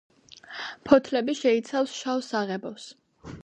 ფოთლები შეიცავს შავ საღებავს.